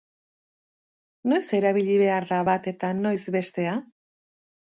Noiz erabili ebhar da bat, eta, noiz, bestea?